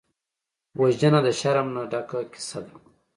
وژنه د شرم نه ډکه کیسه ده